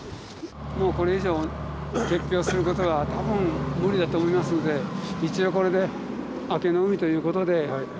もうこれ以上結氷することは多分無理だと思いますので一応これで明けの海ということで締めくくりたいと思います。